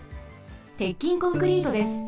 鉄筋コンクリートです。